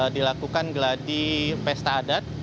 dilakukan geladi pesta adat